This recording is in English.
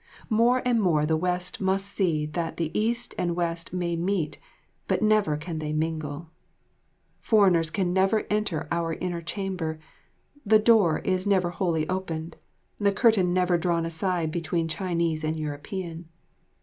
More and more the West must see that the East and West may meet but never can they mingle. Foreigners can never enter our inner chamber; the door is never wholly opened, the curtain never drawn aside between Chinese and European.